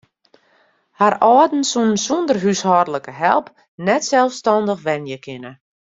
Har âlden soene sûnder húshâldlike help net selsstannich wenje kinne.